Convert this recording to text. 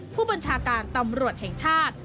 ผู้บัญชาการตำรวจแห่งชาติ